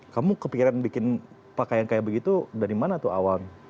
kamu kepikiran bikin pakaian kayak begitu dari mana tuh awal